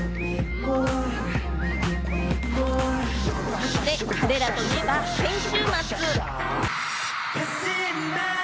そして彼らといえば、先週末。